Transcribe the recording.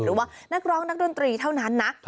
หรือว่านักร้องนักดนตรีเท่านั้นนะ